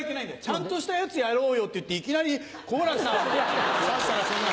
「ちゃんとしたやつやろうよ」って言っていきなり好楽さん指したらそんな。